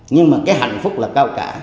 nhưng mà cái hạnh phúc là cao cả